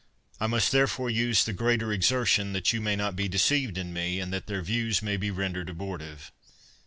I must therefore use the greater exertion, that you may not be deceived in me, and that their views may be rendered abortive.